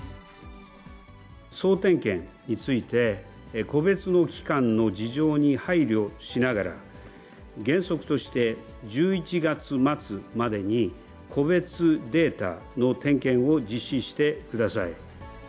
総点検について、個別の機関の事情に配慮しながら、原則として１１月末までに、個別データの点検を実施してください。